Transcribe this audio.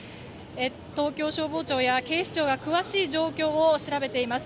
東京消防庁や警視庁が詳しい状況を調べています。